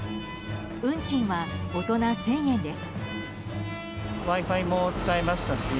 運賃は大人１０００円です。